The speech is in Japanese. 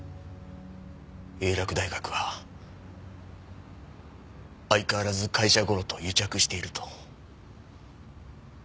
英洛大学は相変わらず会社ゴロと癒着していると。